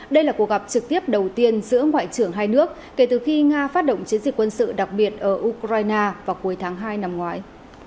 đây là cuộc gặp trực tiếp đầu tiên giữa ngoại trưởng hai nước kể từ khi nga phát động chiến dịch quân sự đặc biệt ở ukraine vào cuối tháng hai năm ngoái